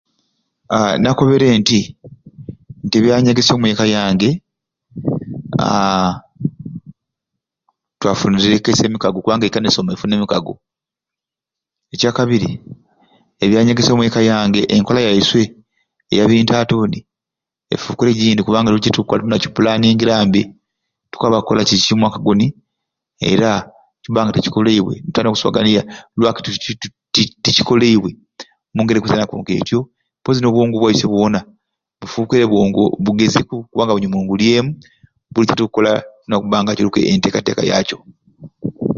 Ahh nakobere nti ebyanyegesya omwekka yange aahh twafunire kaisi iswe emikaago kubanga ekka efuna emikaago, ekyakabiri ebyanyegesya omwekka yange enkola yaiswe eyabintu ati buni efukiire jindi kubanga buli kimwei tulina kuki pulaningirambe tukwaba kukolaki kiki omwaka guni era nikibanga tikikoleibwe tulina okukiswaganiirya lwaki titi tikikoleibwe omungeri ekwisanaku nketyo mpozi nobwongo bwaiswe bwona bufukiire bwongo bugezikku kubanga bunyumungulyeemu buli kyetukola kirina kubanga kiriku entekateka yakyo.